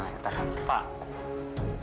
oh ya tak salah